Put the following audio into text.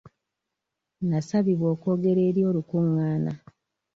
Nasabibwa okwogera eri olukungaana.